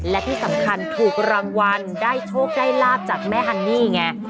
และที่สำคัญถูกรางวัลได้โชคได้ลาบจากแม่ฮันนี่ไง